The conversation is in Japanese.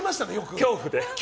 恐怖で。